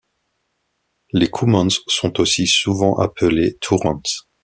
Les Coumans sont aussi souvent appelés Tourans.